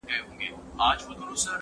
چي په مینه دي را بولي د دار سرته،